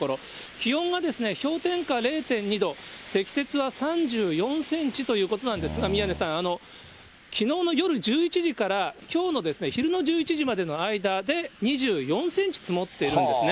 気温が氷点下０．２度、積雪は３４センチということなんですが、宮根さん、きのうの夜１１時からきょうの昼の１１時までの間で２４センチ積もっているんですね。